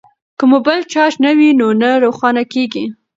که موبایل چارج نه وي نو نه روښانه کیږي.